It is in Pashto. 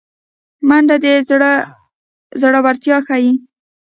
منډه د زړه زړورتیا ښيي